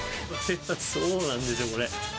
そうなんですよ、これ。